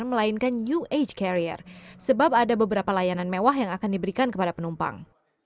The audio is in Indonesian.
melainkan new age carrier sebab ada beberapa layanan mewah yang akan diberikan kepada penumpang